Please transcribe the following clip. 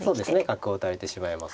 角を打たれてしますので。